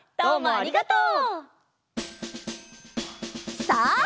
ありがとう！